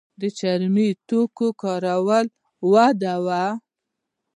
د څرمي توکو کارول دود و